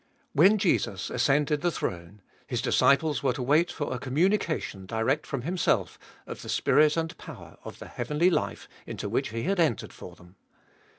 When Jesus ascended the throne His disciples were to wait for a communication direct from Himself of the spirit and power of the heavenly life into which He had entered for them.